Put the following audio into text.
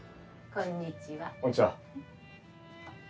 こんにちは。